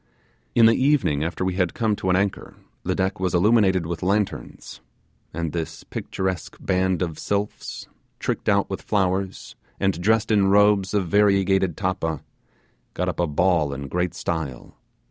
In the evening after we had come to an anchor the deck was illuminated with lanterns, and this picturesque band of sylphs, tricked out with flowers, and dressed in robes of variegated tappa, got up a ball in great style.